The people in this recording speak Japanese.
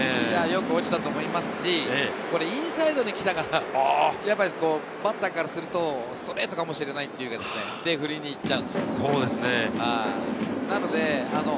よく落ちたと思いますし、インサイドに来るとバッターからするとストレートかもしれないと思って振りに行っちゃうんです。